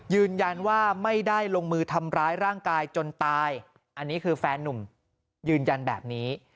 ยืนยันว่าไม่ได้ลงมือทำร้ายร่างกายจนตายอันนี้คือแฟนนุ่มยืนยันแบบนี้